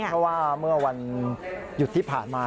เพราะว่าเมื่อวันหยุดที่ผ่านมา